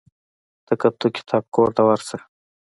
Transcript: تکتو کتاب کور ته ورسه.